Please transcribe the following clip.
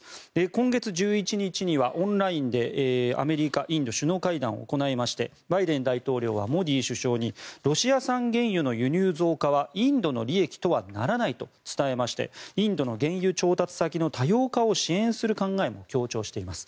今月１１日にはオンラインでアメリカ・インド首脳会談を行いましてバイデン大統領はモディ首相にロシア産原油の輸入増加は、インドの利益とはならないと伝えましてインドの原油調達先の多様化を支援する考えも強調しています。